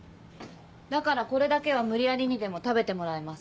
だからこれだけは無理やりにでも食べてもらいます。